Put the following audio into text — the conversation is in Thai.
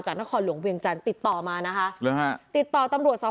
นครหลวงเวียงจันทร์ติดต่อมานะคะหรือฮะติดต่อตำรวจสอบ